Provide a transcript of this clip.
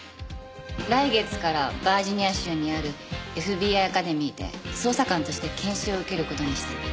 来月からバージニア州にあるＦＢＩアカデミーで捜査官として研修を受ける事にしたの。